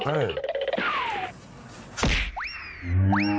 โอ้โหนี่ค่ะ